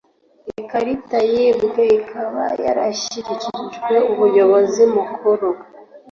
ikarita yibwe ikaba yarashyikirijwe umuyobozi mukuru.